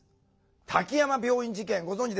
滝山病院事件ご存じですか？